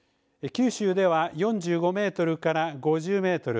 九州では４５メートルから５０メートル。